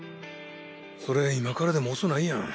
それ今からでも遅ないやん。